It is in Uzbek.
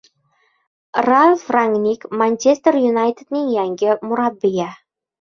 Ralf Rangnik "Manchester Yunayted"ning yangi murabbiyi